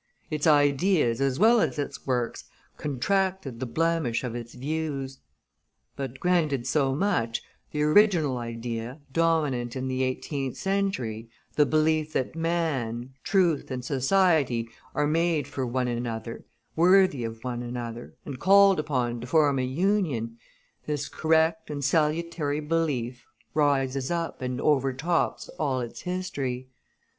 Its ideas as well as its works contracted the blemish of its views. But, granted so much, the original idea, dominant in the eighteenth century, the belief that man, truth, and society are made for one another, worthy of one another, and called upon to form a union, this correct and salutary belief rises up and overtops all its history.